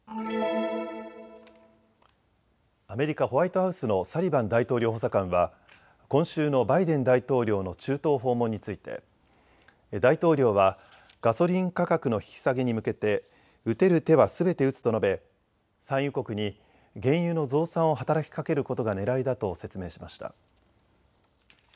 アメリカ・ホワイトハウスのサリバン大統領補佐官は今週のバイデン大統領の中東訪問について大統領はガソリン価格の引き下げに向けて打てる手はすべて打つと述べ産油国に原油の増産を働きかけることがねらいだと説明しました。